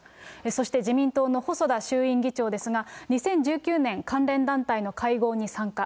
そして、自民党の細田衆院議長ですが、２０１９年、関連団体の会合に参加。